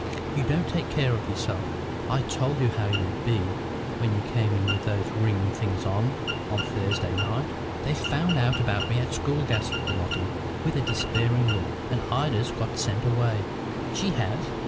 You don't take care of yourself: I told you how it 'ud be when you came in with those wringin' things on, on Thursday night." "They've found out about me at the school," gasped Lotty, with a despairing look, "and Ida's got sent away." "She has?